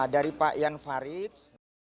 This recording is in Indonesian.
dari pak ian farid